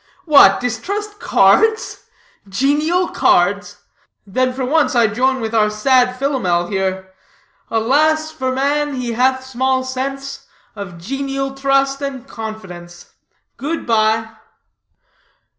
"What, distrust cards? Genial cards? Then for once I join with our sad Philomel here: 'Alas for man, he hath small sense Of genial trust and confidence.' Good bye!"